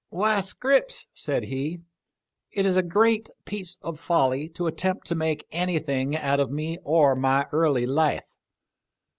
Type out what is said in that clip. " Why, Scripps," said he, " it is a great piece of folly to attempt to make anything out of me or my early life.